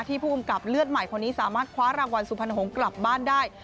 ผู้กำกับเลือดใหม่คนนี้สามารถคว้ารางวัลสุพรรณหงษ์กลับบ้านได้